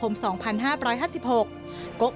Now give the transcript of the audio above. ทำไมเราต้องเป็นแบบเสียเงินอะไรขนาดนี้เวรกรรมอะไรนักหนา